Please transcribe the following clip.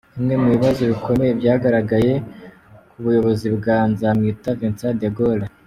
Bimwe mu bibazo bikomeye byagaragaye ku buyobozi bwa Nzamwita Vincent Degaulle.